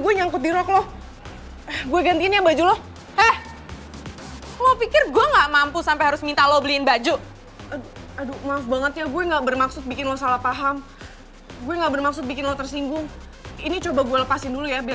gue harap lo jangan lupa like komen dan subscribe ya